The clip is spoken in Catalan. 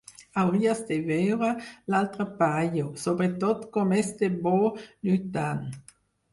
Hauries de veure l'altre paio, sobretot, com és de bo lluitant.